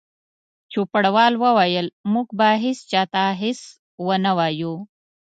چوپړوال وویل: موږ به هیڅ چا ته هیڅ ونه وایو.